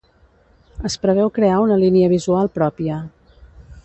Es preveu crear una línia visual pròpia.